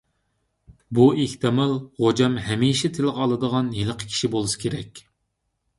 بۇ ئېھتىمال غوجام ھەمىشە تىلغا ئالىدىغان ھېلىقى كىشى بولسا كېرەك.